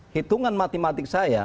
hitungan matematik saya